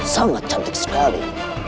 sangat cantik sekali